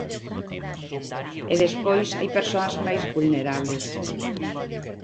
E despois hai persoas máis vulnerables.